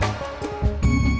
liat dong liat